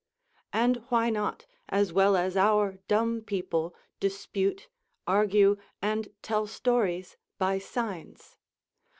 And why not, as well as our dumb people, dispute, argue, and tell stories by signs?